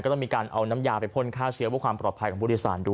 ต้องมีการเอาน้ำยาไปพ่นฆ่าเชื้อเพื่อความปลอดภัยของผู้โดยสารดู